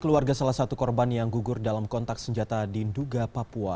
keluarga salah satu korban yang gugur dalam kontak senjata di nduga papua